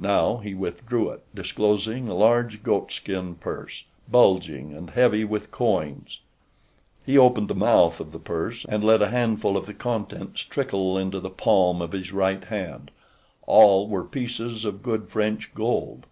Now he withdrew it disclosing a large goatskin purse, bulging and heavy with coins. He opened the mouth of the purse and let a handful of the contents trickle into the palm of his right hand—all were pieces of good French gold.